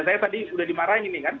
saya tadi sudah dimarahin nih kan